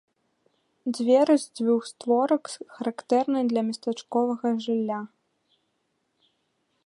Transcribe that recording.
Дзверы з дзвюх створак характэрны для местачковага жылля.